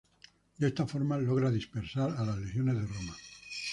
De esta forma, ha logra dispersar a las legiones de Roma.